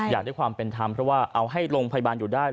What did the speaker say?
อยากได้ความเป็นธรรมเพราะว่าเอาให้โรงพยาบาลอยู่ได้